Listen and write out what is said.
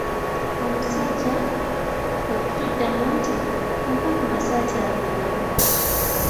Omusajja kwe kutuddamu nti "mumpe ku masaati ago ndabe."